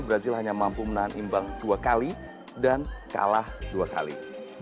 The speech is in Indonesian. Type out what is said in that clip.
brazil hanya mampu menahan imbang dua kali dan kalah dua kali